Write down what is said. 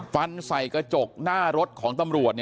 ฟันใส่กระจกหน้ารถของตำรวจ